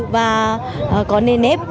và có nền ép